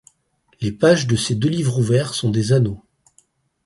Les pages de ces deux livres ouverts sont des anneaux.